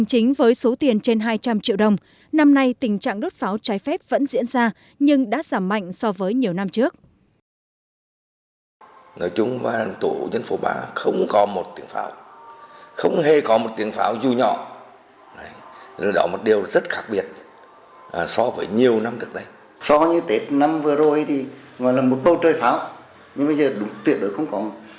đối với số tiền trên hai trăm linh triệu đồng năm nay tình trạng đốt pháo trái phép vẫn diễn ra nhưng đã giảm mạnh so với nhiều năm trước